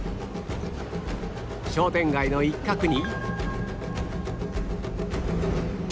商店街の一角に